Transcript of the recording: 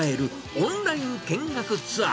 オンライン見学ツアー。